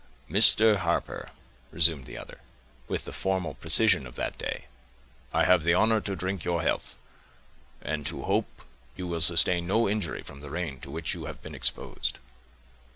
"Mr. Harper," resumed the other, with the formal precision of that day, "I have the honor to drink your health, and to hope you will sustain no injury from the rain to which you have been exposed."